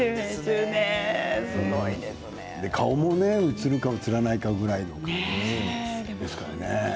顔も映るか映らないかぐらいですからね。